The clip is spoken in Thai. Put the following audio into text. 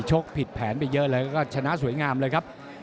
ผิดแผนไปเยอะเลยก็ชนะสวยงามเลยครับ